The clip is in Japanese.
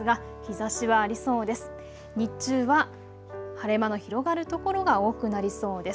日中は晴れ間の広がる所が多くなりそうです。